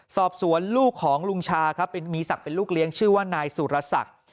สอบสวนลูกของลุงชาครับมีศักดิ์เป็นลูกเลี้ยงชื่อว่านายสุรศักดิ์